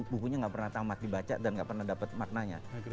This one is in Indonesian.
bukunya gak pernah tamat dibaca dan nggak pernah dapat maknanya